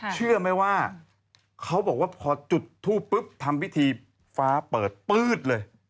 เชื่อไหมว่าเขาบอกว่าพอจุดทูปปุ๊บทำพิธีฟ้าเปิดปื๊ดเลย